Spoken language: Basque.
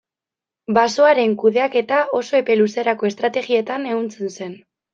Basoaren kudeaketa oso epe luzerako estrategietan ehuntzen zen.